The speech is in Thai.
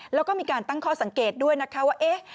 แล้วก็มีการตั้งข้อสังเกตด้วยนะคะว่าเอ๊ะ